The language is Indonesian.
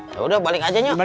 yaudah balik aja nyok